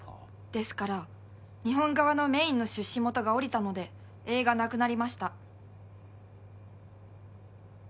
ですから日本側のメインの出資元が降りたので映画なくなりました